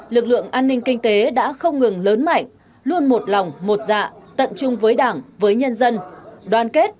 lực lượng an ninh kinh tế đã không ngừng lớn mạnh luôn một lòng một dạ tận chung với đảng với nhân dân đoàn kết